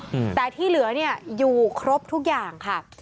อืมแต่ที่เหลือเนี้ยอยู่ครบทุกอย่างค่ะ